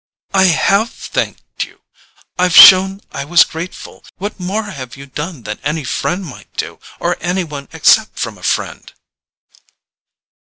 "I HAVE thanked you; I've shown I was grateful. What more have you done than any friend might do, or any one accept from a friend?"